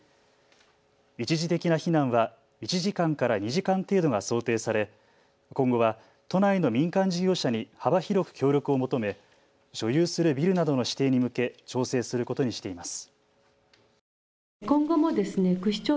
一時的な避難は１時間から２時間程度が想定され今後は都内の民間事業者に幅広く協力を求め所有するビルなどの指定に向け調整することにしています。